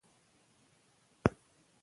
په دولت کښي پنځه ډوله خلک دي.